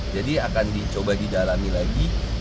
jadi akan dicoba didalami lagi